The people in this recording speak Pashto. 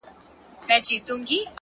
هره هڅه د هویت برخه جوړوي’